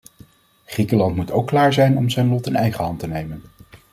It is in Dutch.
Griekenland moet ook klaar zijn om zijn lot in eigen hand te nemen.